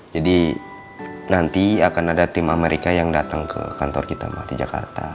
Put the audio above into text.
jadi nanti akan ada tim amerika yang datang ke kantor kita ma di jakarta